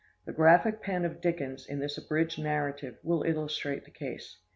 The graphic pen of Dickens, in this abridged narrative, will illustrate the case.